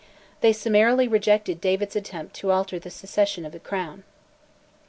They summarily rejected David's attempt to alter the succession of the Crown.